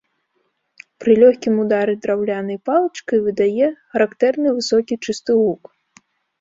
Пры лёгкім ўдары драўлянай палачкай выдае характэрны высокі чысты гук.